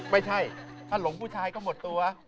ไม่ใช่ถ้าหลงผู้ชายก็หมดตัว